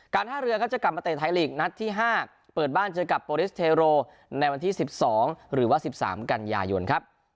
ท่าเรือก็จะกลับมาเตะไทยลีกนัดที่๕เปิดบ้านเจอกับโปรลิสเทโรในวันที่๑๒หรือว่า๑๓กันยายนครับ